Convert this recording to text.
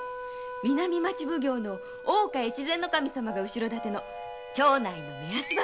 南町奉行の大岡様が後ろ盾の町内の目安箱なの。